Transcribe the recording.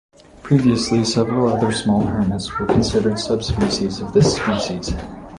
Previously, several other small hermits were considered subspecies of this species.